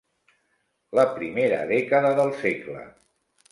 La primera dècada del segle.